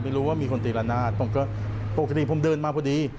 ไม่รู้ว่ามีคนตีละนาดผมก็ปกติผมเดินมาพอดี